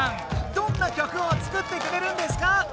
どんな曲を作ってくれるんですか？